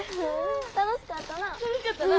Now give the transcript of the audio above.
楽しかったな。